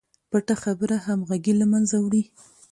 پټه خبره همغږي له منځه وړي.